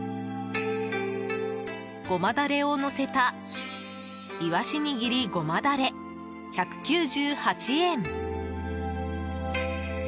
ごまダレをのせたいわしにぎりごまだれ、１９８円。